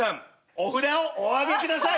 お札をお上げください。